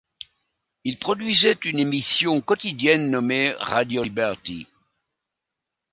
Il produisait une émission quotidienne nommée Radio Liberty.